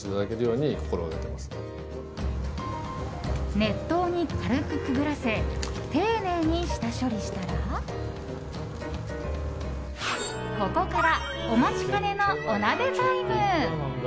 熱湯に軽く、くぐらせ丁寧に下処理したらここからお待ちかねのお鍋タイム！